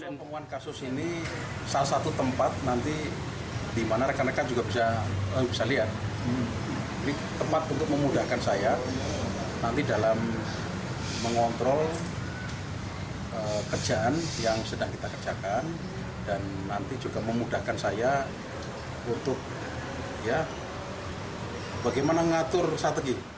mengontrol kerjaan yang sedang kita kerjakan dan nanti juga memudahkan saya untuk bagaimana mengatur strategi